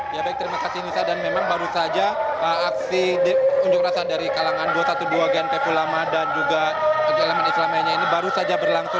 ya baik terima kasih nisa dan memang baru saja aksi di unjuk rasan dari kalangan dua ratus dua belas gen p pulama dan juga elemen islamainya ini baru saja berlangsung